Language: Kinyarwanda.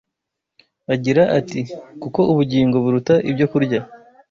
agira ati: “Kuko ubugingo buruta ibyokurya